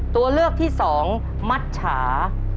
ตัวเลือกที่สองมัดฉา